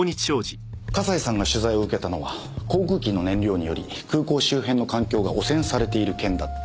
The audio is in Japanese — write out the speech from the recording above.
笠井さんが取材を受けたのは航空機の燃料により空港周辺の環境が汚染されている件だった。